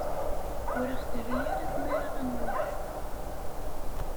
Ur aɣ-terri ara tmara ad nruḥ.